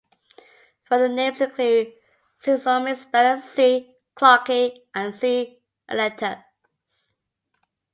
Further names include "Cimexomys" bellus", "C." clarki" and "C." electus".